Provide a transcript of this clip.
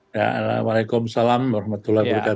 waalaikumsalam warahmatullahi wabarakatuh